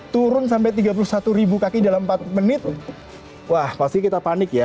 turun sampai tiga puluh satu ribu kaki dalam empat menit wah pasti kita panik ya